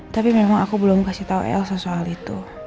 tapi memang aku belum kasih tahu elsa soal itu